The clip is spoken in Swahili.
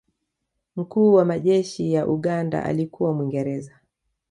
mkuu wa majeshi ya uganda alikuwa mwingereza